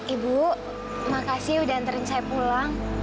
ibu makasih udah antarin saya pulang